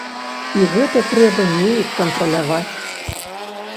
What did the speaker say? І гэта трэба неяк кантраляваць.